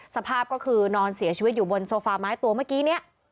สภาพก็คือนอนเสียชีวิตอยู่บนโซฟาไม้ตัวเมื่อกี้เนี่ย